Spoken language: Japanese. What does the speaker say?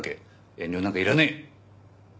遠慮なんかいらねえ！